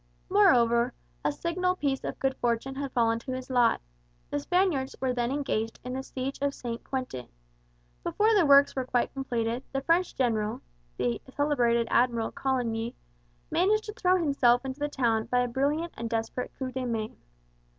Moreover, a signal piece of good fortune had fallen to his lot. The Spaniards were then engaged in the siege of St. Quentin. Before the works were quite completed, the French General the celebrated Admiral Coligny managed to throw himself into the town by a brilliant and desperate coup de main.